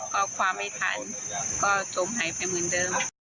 ก็ความไม่ทันก็จมหายไปเหมือนเดิม